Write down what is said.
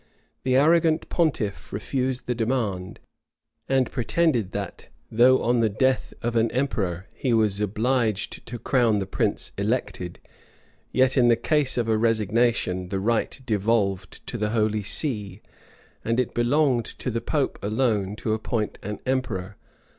The arrogant pontiff refused the demand; and pretended that, though on the death of an emperor he was obliged to crown the prince elected, yet, in the case of a resignation, the right devolved to the holy see, and it belonged to the pope alone to appoint an emperor.